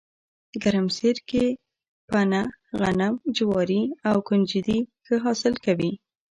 ګرمسیر کې پنه، غنم، جواري او ُکنجدي ښه حاصل کوي